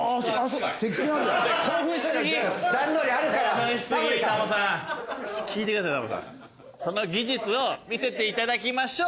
「その技術を見せて頂きましょう」